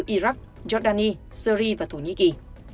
iraq jordani syri và thổ nhĩ kỳ